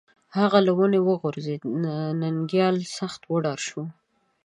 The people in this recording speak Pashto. هغه له ونې وغورځېد، ننگيال سخت وډار شو